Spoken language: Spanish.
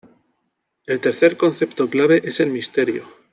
El tercer concepto clave es el misterio.